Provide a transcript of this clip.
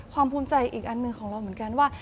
ภูมิใจอีกอันหนึ่งของเราเหมือนกันว่า